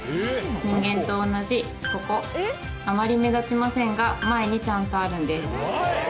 人間と同じここ、あまり目立ちませんが、前にちゃんとあるんです。